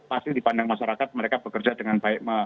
pasti dipandang masyarakat mereka bekerja dengan baik